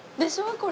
これ。